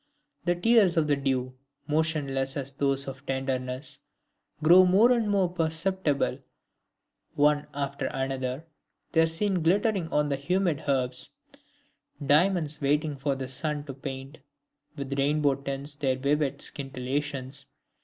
The tears of the dew, motionless as those of tenderness, grow more and more perceptible, one after another they are seen glittering on the humid herbs, diamonds waiting for the sun to paint with rainbow tints their vivid scintillations.